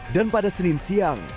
dan pada senin siang